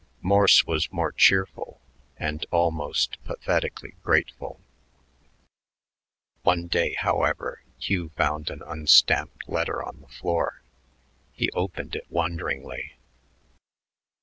Morse was more cheerful and almost pathetically grateful. One day, however, Hugh found an unstamped letter on the floor. He opened it wonderingly.